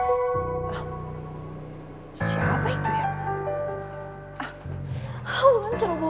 aduh ngancer obat banget